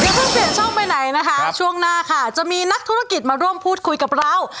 เพิ่งเปลี่ยนช่องไปไหนนะคะช่วงหน้าค่ะจะมีนักธุรกิจมาร่วมพูดคุยกับเรา